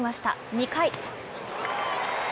２回。